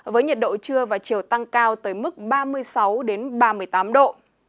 với nhiệt độ trưa và chiều tăng cao tới mức ba mươi sáu ba mươi tám độ